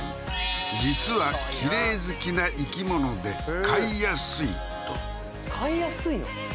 実はキレイ好きな生き物で飼いやすいと飼いやすいの？